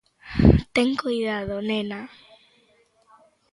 Ten coidado, nena.